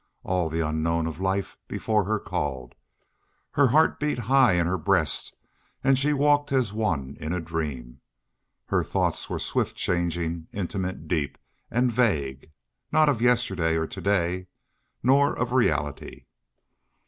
All the unknown of life before her called. Her heart beat high in her breast and she walked as one in a dream. Her thoughts were swift changing, intimate, deep, and vague, not of yesterday or to day, nor of reality.